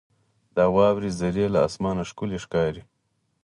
• د واورې ذرې له اسمانه ښکلي ښکاري.